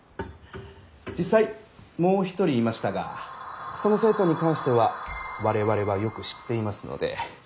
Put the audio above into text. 実際もう一人いましたがその生徒に関しては我々はよく知っていますので。